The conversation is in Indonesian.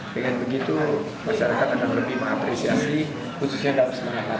dengan begitu masyarakat akan lebih mengapresiasi khususnya dalam semangat